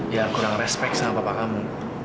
dia kurang respect sama bapak kamu